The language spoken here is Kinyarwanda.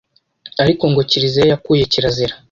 ariko ngo kiliziya ya kuye kirazira